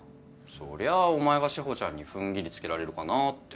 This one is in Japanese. そりゃあお前が志保ちゃんにふんぎりつけられるかなって。